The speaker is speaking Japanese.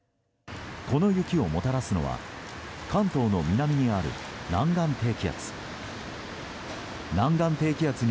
この雪をもたらすのは関東の南にある南岸低気圧。